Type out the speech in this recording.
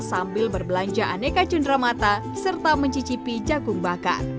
sambil berbelanja aneka cendera mata serta mencicipi jagung bakar